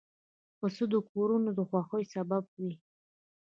پسه د کورنیو د خوښیو سبب وي.